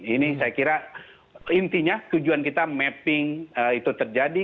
ini saya kira intinya tujuan kita mapping itu terjadi